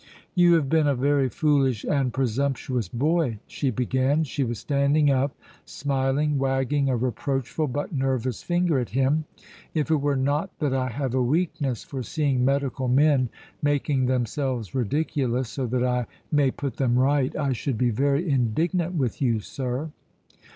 "You have been a very foolish and presumptuous boy," she began. She was standing up, smiling, wagging a reproachful but nervous finger at him. "If it were not that I have a weakness for seeing medical men making themselves ridiculous so that I may put them right, I should be very indignant with you, sir."